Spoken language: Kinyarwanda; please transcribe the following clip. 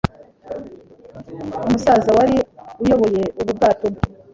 umusaza wari uyoboye ubu bwato